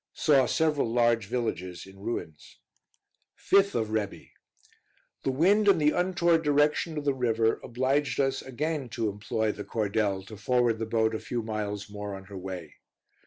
Saw several large villages in ruins. 5th of Rebi. The wind and the untoward direction of the river obliged us again to employ the cordel to forward the boat a few miles more on her way.